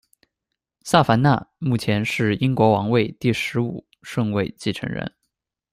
萨凡娜目前是英国王位第十五顺位继承人。